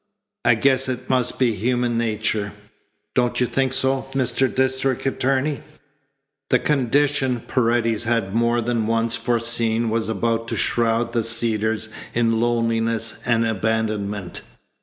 "I guess it must be human nature. Don't you think so, Mr. District Attorney?" The condition Paredes had more than once foreseen was about to shroud the Cedars in loneliness and abandonment.